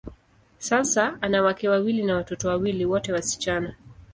Sasa, ana wake wawili na watoto wawili, wote wasichana.